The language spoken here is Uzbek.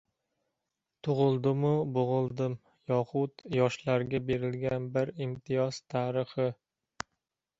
Tug‘ildimu, bo‘g‘ildim yoxud yoshlarga berilgan bir imtiyoz tarixi